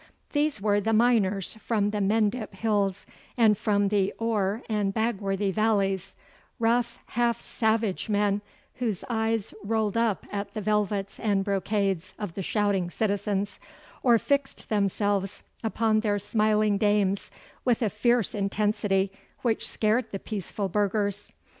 These were the miners from the Mendip hills and from the Oare and Bagworthy valleys, rough, half savage men, whose eyes rolled up at the velvets and brocades of the shouting citizens, or fixed themselves upon their smiling dames with a fierce intensity which scared the peaceful burghers.